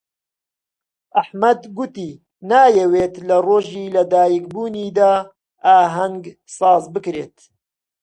ئەحمەد گوتی نایەوێت لە ڕۆژی لەدایکبوونیدا ئاهەنگ ساز بکرێت.